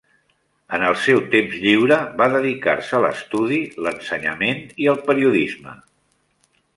En el seu temps lliure va dedicar-se a l'estudi, l'ensenyament i el periodisme.